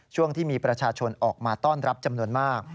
ช่วงที่มีประชาชนออกมาต้อนรับจำนวนมาก